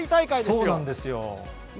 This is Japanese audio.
そうなんですよ。